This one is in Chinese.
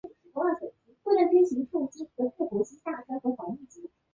治所在今云南昆明市西郊马街。